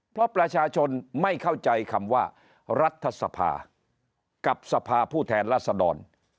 เพราะประชาชนไม่เข้าใจคำว่ารัฐสภากับสภาผู้แทนรัศดร